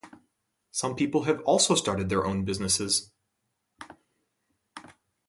Some people have also started their own businesses.